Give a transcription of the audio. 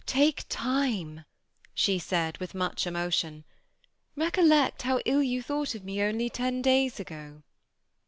take time/' she said, with much emotion ;^ rec ollect how ill jou thought of me only ten days ago."